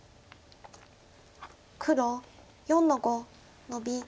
黒４の五ノビ。